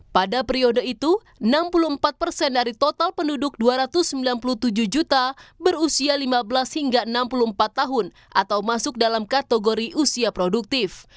pada periode itu enam puluh empat persen dari total penduduk dua ratus sembilan puluh tujuh juta berusia lima belas hingga enam puluh empat tahun atau masuk dalam kategori usia produktif